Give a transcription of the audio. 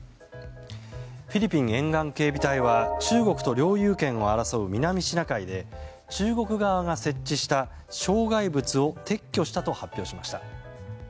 フィリピン沿岸警備隊は中国と領有権を争う南シナ海で中国側が設置した障害物を撤去したと発表しました。